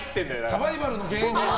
サバイバルの芸人が。